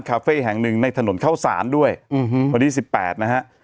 ที่ร้านคาเฟ่แห่งหนึ่งในถนนเข้าสารด้วยวันที่สิบแปดนะฮะ